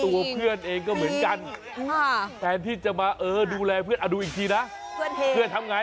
ตัวเพื่อนเองก็เหมือนกันแทนที่จะมาดูแลเพื่อนเอาดูอีกทีนะ